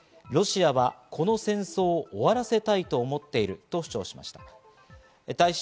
ロシアはこの戦争を終わらせたいと思っていると主張しました。